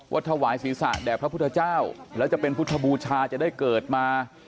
ถวายศีรษะแด่พระพุทธเจ้าแล้วจะเป็นพุทธบูชาจะได้เกิดมา